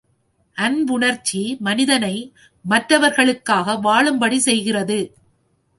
அன்புணர்ச்சி மனிதனை மற்றவர்களுக்காக வாழும்படி செய்கிறது.